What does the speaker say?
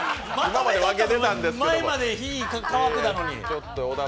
前まで日、変わってたのに。